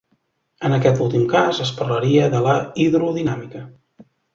En aquest últim cas, es parlaria de la hidrodinàmica.